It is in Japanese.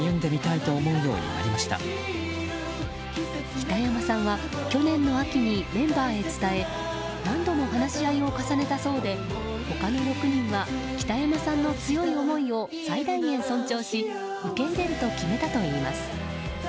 北山さんは去年の秋にメンバーへ伝え何度も話し合いを重ねたそうで他の６人は北山さんの強い思いを最大限尊重し受け入れると決めたといいます。